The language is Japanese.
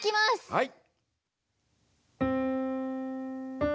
はい。